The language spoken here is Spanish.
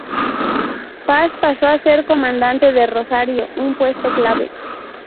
Paz pasó a ser comandante de Rosario, un puesto clave.